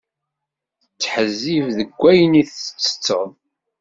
Ttḥezzib deg wayen tettetteḍ.